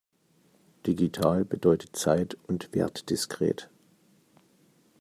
Digital bedeutet zeit- und wertdiskret.